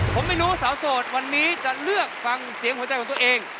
ผมไม่รู้ว่าสาวโสดวันนี้จะเลือกฟังเสียงหัวใจของตัวเอง